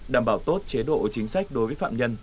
đảm bảo tốt chế độ chính sách đối với phạm nhân